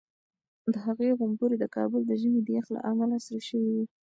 د هغې غومبوري د کابل د ژمي د یخ له امله سره شوي وو.